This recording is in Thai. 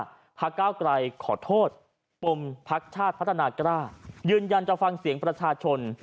ภาพท่ากล้าวกรายขอโทษปลุ่มภักดิ์ชาติพัฒนากราพยืนยันจะฟังเสียงประธาชน